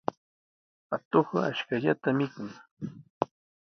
Atuqqa ashkallata mikun.